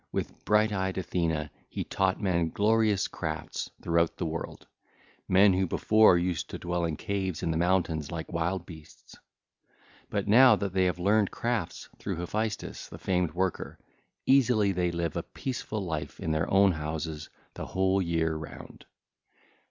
With bright eyed Athene he taught men glorious gifts throughout the world,—men who before used to dwell in caves in the mountains like wild beasts. But now that they have learned crafts through Hephaestus the famed worker, easily they live a peaceful life in their own houses the whole year round.